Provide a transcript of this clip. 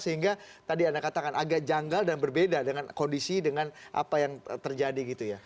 sehingga tadi anda katakan agak janggal dan berbeda dengan kondisi dengan apa yang terjadi gitu ya